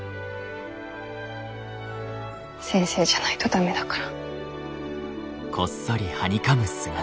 先生じゃないと駄目だから。